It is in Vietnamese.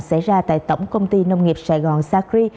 xảy ra tại tổng công ty nông nghiệp sài gòn sacri